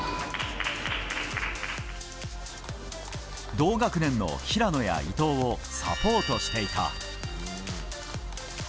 同学年の平野や伊藤をサポートしていた。